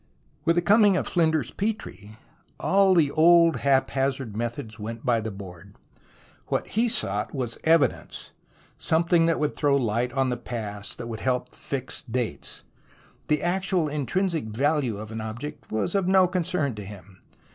With the coming of Flinders Petrie, all the old, haphazard methods went by the board. What he 26 THE ROMANCE OF EXCAVATION sought was evidence, something that would throw light on the past, that would help to fix dates. The actual intrinsic value of an object was of no concern to him.